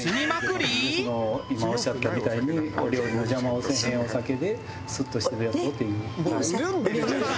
今おっしゃったみたいにお料理の邪魔をせえへんお酒でスッとしているやつをという。